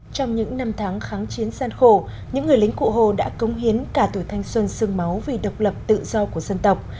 trong những năm tháng kháng chiến gian khổ những người lính cụ hồ đã cống hiến cả tuổi thanh xuân sương máu vì độc lập tự do của dân tộc